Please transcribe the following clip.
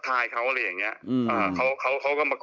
พี่หนุ่ม